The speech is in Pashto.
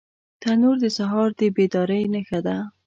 تنور د سهار د بیدارۍ نښه ده